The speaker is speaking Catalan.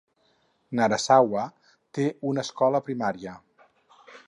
Narusawa té una escola primària.